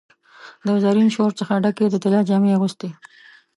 د زرین شور څخه ډکي، د طلا جامې اغوستي